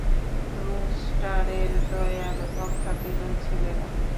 রুস্টারের দয়ায় রক্ষা পেলে, ছেলেরা।